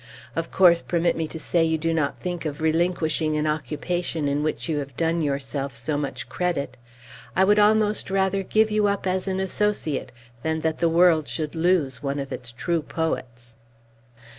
Of course permit me to say you do not think of relinquishing an occupation in which you have done yourself so much credit. I would almost rather give you up as an associate, than that the world should lose one of its true poets!"